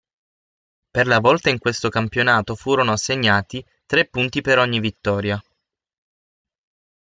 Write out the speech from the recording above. Per la volta in questo campionato furono assegnati tre punti per ogni vittoria.